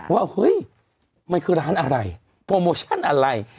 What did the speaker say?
ว่าเฮ้ยมันคือร้านอะไรโปรโมชั่นอะไร